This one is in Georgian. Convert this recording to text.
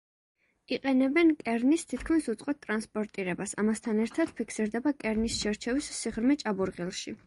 იყენებენ კერნის თითქმის უწყვეტ ტრანსპორტირებას; ამასთან ერთად, ფიქსირდება კერნის შერჩევის სიღრმე ჭაბურღილში.